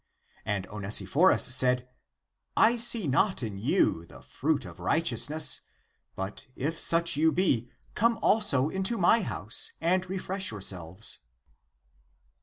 " And Onesiphorus said, " I see not in you the fruit of righteousness ; but if such you be, come also into my house and refresh yourselves."